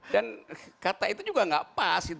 dan kata itu juga gak pas